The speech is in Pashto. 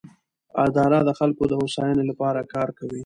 اداره د خلکو د هوساینې لپاره کار کوي.